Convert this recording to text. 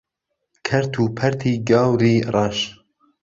کەرت و پەرتی گاوری ڕەش